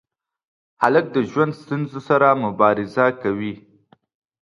هلک د ژوند ستونزو سره مبارزه کوي.